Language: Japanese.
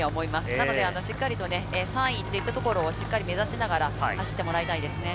なのでしっかりと３位といったところを目指しながら走ってもらいたいですね。